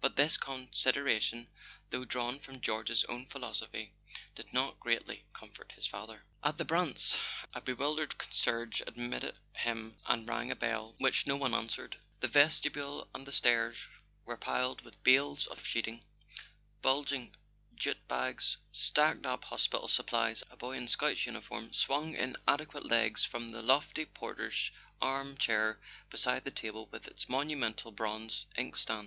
But this consideration, though drawn from George's own philos¬ ophy, did not greatly comfort his father. At the Brants' a bewildered concierge admitted him and rang a bell which no one answered. The vestibule and the stairs were piled with bales of sheeting, bulg¬ ing jute bags, stacked up hospital supplies. A boy in scout's uniform swung inadequate legs from the lofty porter's arm chair beside the table with its monumental bronze inkstand.